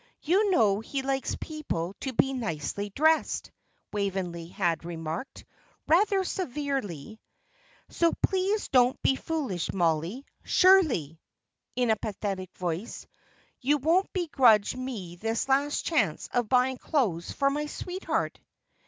"You know he likes people to be nicely dressed," Waveney had remarked, rather severely, "so please don't be foolish, Mollie. Surely" in a pathetic voice "you won't begrudge me this last chance of buying clothes for my sweetheart?"